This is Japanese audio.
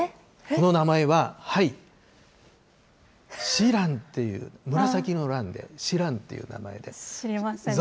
この名前は、はい、シランっていう、紫のランで、シランっていう名前です。